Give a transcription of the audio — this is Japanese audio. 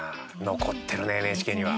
残ってるね、ＮＨＫには。